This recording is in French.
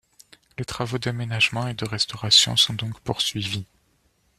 Les travaux d’aménagement et de restauration sont donc poursuivis.